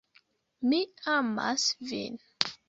Mi amas vin.